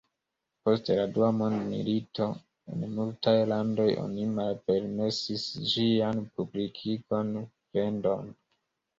Post la dua mondmilito, en multaj landoj oni malpermesis ĝian publikigon, vendon.